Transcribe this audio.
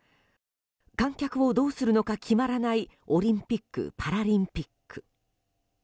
観客をどうするのか決まらないオリンピック・パラリンピック。